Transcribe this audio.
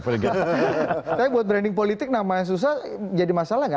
tapi buat branding politik namanya susah jadi masalah gak